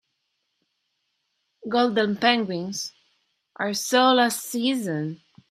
Golden penguins are so last season.